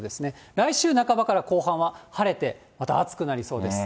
来週半ばから後半は晴れて、また暑くなりそうです。